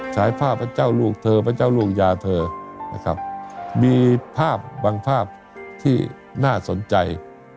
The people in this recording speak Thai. สายภาพพระเจ้าลูกเธอพระเจ้าล่วงยาเธอนะครับมีภาพบางภาพที่น่าสนใจ